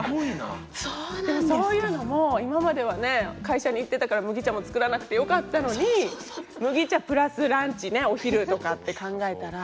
でもそういうのも今まではね会社に行ってたから麦茶も作らなくてよかったのにお昼とかって考えたら。